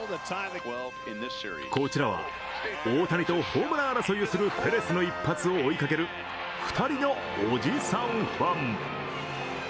こちらは大谷とホームラン争いをするペレスの一発を追いかける２人のおじさんファン。